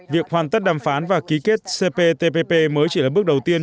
việc hoàn tất đàm phán và ký kết cptpp mới chỉ là bước đầu tiên